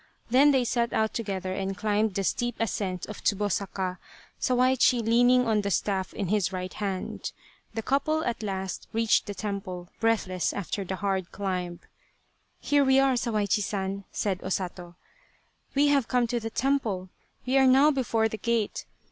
Then they set out together and climbed the steep ascent of Tsubo saka, Sawaichi leaning on the staff in his right hand. The couple at last reached the temple, breathless after the hard climb. " Here we are, Sawaichi San," said O Sato, " we 1 66 Tsubosaka have come to the temple, we are now before the gate